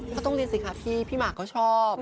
ไม่ต้องเรียนสิครับพี่พี่หมักเขาชอบ